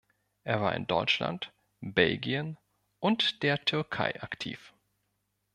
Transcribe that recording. Er war in Deutschland, Belgien und der Türkei aktiv.